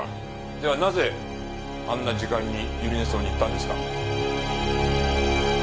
ではなぜあんな時間に百合根荘に行ったんですか？